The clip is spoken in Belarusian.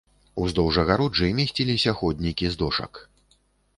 Уздоўж агароджы месціліся ходнікі з дошак.